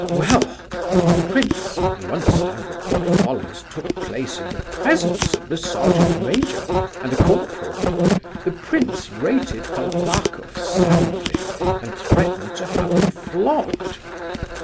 Well! The prince—you understand that what follows took place in the presence of the sergeant major, and a corporal—the prince rated Kolpakoff soundly, and threatened to have him flogged.